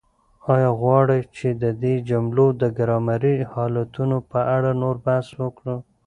آیا غواړئ چې د دې جملو د ګرامري حالتونو په اړه نور بحث وکړو؟